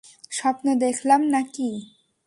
স্বপ্ন দেখলাম না কি?